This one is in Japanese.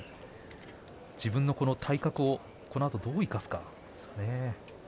自分の体格をこのあとどう生かすか。